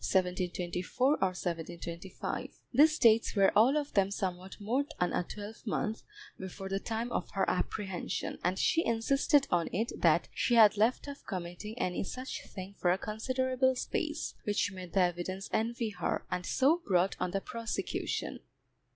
These dates were all of them somewhat more than a twelvemonth before the time of her apprehension, and she insisted on it that she had left off committing any such thing for a considerable space, which made the evidence envy her, and so brought on the prosecution.